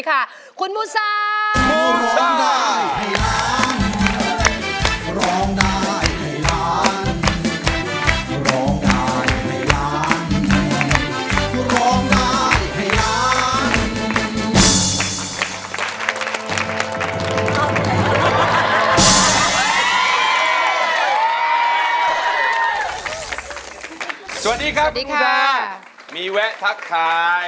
ขอบคุณค่ะ